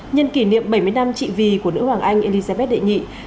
nhân kỷ niệm bảy mươi năm trị vì của nữ hoàng anh elizabeth đệ nhị